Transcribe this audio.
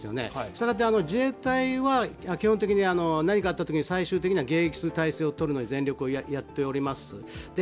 したがって、自衛隊は基本的に何かあったときには最終的に迎撃する態勢をとるのを全力でやっております。